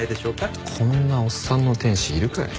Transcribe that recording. こんなおっさんの天使いるかよ。